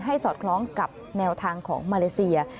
สอดคล้องกับแนวทางของมาเลเซีย